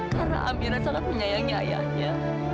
karena amira sangat menyayangi ayahnya